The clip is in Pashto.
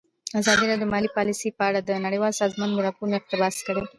ازادي راډیو د مالي پالیسي په اړه د نړیوالو سازمانونو راپورونه اقتباس کړي.